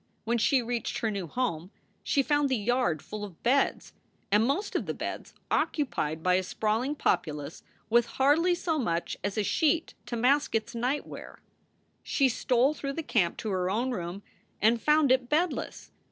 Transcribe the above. When she reached her new home she found the yard full of beds, and most of the beds occupied by a sprawling populace with hardly so much as a sheet to mask its night wear. She stole through the camp to her own room, and found it bedless.